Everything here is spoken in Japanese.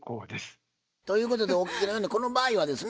ということでお聞きのようにこの場合はですね